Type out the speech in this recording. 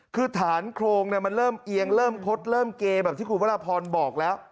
คือฐานโครงมันเริ่มเอียงเริ่มคดเริ่มเกแบบที่คุณพระราพรบอกแล้ว